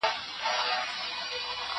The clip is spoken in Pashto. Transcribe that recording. زه به سبا د سبا لپاره د درسونو يادونه وکړم..